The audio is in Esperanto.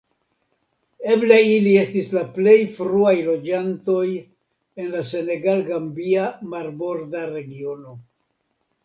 Eble ili estis la plej fruaj loĝantoj en la senegal-gambia marborda regiono.